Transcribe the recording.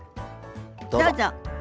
どうぞ。